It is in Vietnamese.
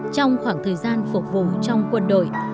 trong khoảng thời gian phục vụ trong quân đội